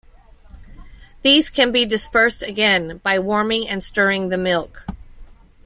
These can be dispersed again by warming and stirring the milk.